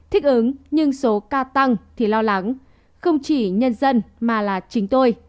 thích ứng nhưng số ca tăng thì lo lắng không chỉ nhân dân mà là chính tôi